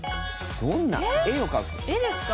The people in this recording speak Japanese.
絵ですか？